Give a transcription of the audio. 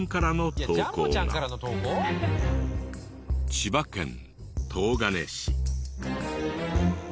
千葉県東金市。